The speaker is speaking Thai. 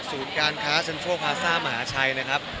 ศูนย์การค้าเชิญชวนภาคมหาชัยนะครับ